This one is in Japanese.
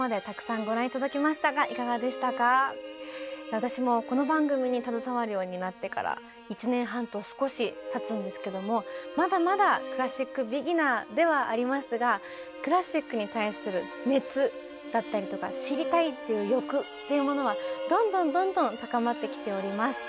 私もこの番組に携わるようになってから１年半と少したつんですけどもまだまだクラシックビギナーではありますがクラシックに対する熱だったりとか知りたいっていう欲っていうものはどんどんどんどん高まってきております。